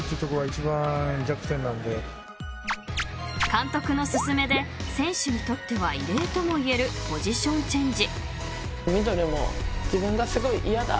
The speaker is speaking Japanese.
［監督の勧めで選手にとっては異例ともいえるポジションチェンジ］